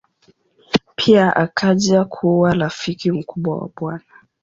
Pia akaja kuwa rafiki mkubwa wa Bw.